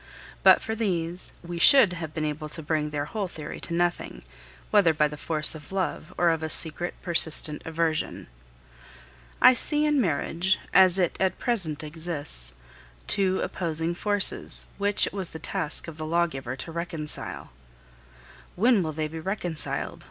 But for these, we should have been able to bring their whole theory to nothing, whether by the force of love or of a secret, persistent aversion. I see in marriage, as it at present exists, two opposing forces which it was the task of the lawgiver to reconcile. "When will they be reconciled?"